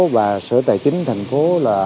và sở tài chính thành phố